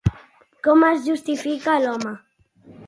Com es justifica l'home?